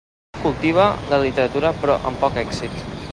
També cultiva la literatura però amb poc èxit.